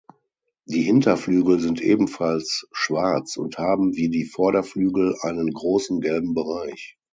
Die Hinterflügel sind ebenfalls schwarz und haben wie die Vorderflügel einen großen gelben Bereich.